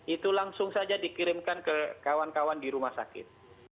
itu langsung saja dikirimkan ke kawan kawan di rumah sakit